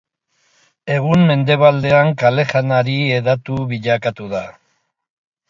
Egun, mendebaldean kale-janari hedatu bilakatu da.